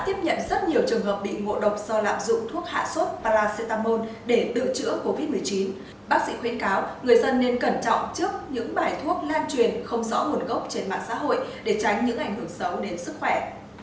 bác sĩ khuyến cáo người dân nên cẩn trọng trước những bài thuốc lan truyền không rõ nguồn gốc trên mạng xã hội để tránh những ảnh hưởng xấu đến sức khỏe